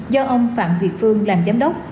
do ông phạm việt phương làm giám đốc